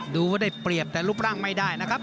ดูได้เปรียบแต่รูปร่างไม่ได้นะครับ